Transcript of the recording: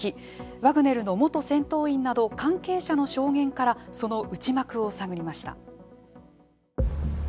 ワグネルの元戦闘員など関係者の証言からその内幕を探りました。